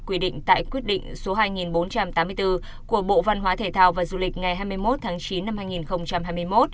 quy định tại quyết định số hai nghìn bốn trăm tám mươi bốn của bộ văn hóa thể thao và du lịch ngày hai mươi một tháng chín năm hai nghìn hai mươi một